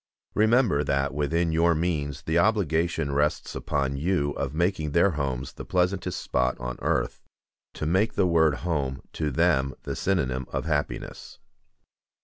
Remember that within your means the obligation rests upon you of making their homes the pleasantest spot on earth, to make the word home to them the synonym of happiness.